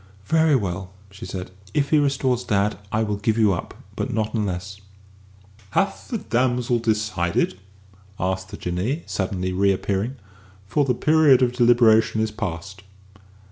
"Very well," she said. "If he restores dad, I will give you up. But not unless." "Hath the damsel decided?" asked the Jinnee, suddenly re appearing; "for the period of deliberation is past."